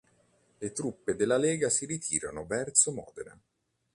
Le truppe della lega si ritirano verso Modena.